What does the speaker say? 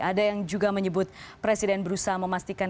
ada yang juga menyebut presiden berusaha memastikan